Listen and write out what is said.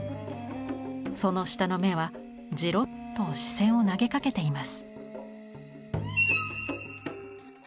その下の目はじろっと視線を投げかけています。